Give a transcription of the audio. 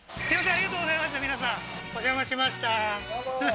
ありがとうございました皆さんお邪魔しましたふふ